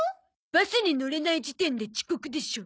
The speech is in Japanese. バスに乗れない時点で遅刻でしょ！